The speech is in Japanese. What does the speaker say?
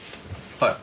はい。